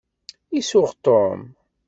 Isuɣ Tom.